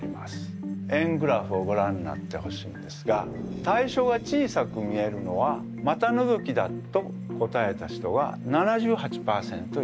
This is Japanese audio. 円グラフをごらんになってほしいんですが対象が小さく見えるのは股のぞきだと答えた人は７８％いました。